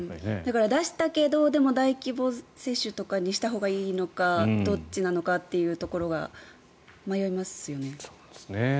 出したけど大規模接種とかにしたほうがいいのかどっちなのかというところが迷いますよね。